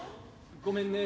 ごめんね。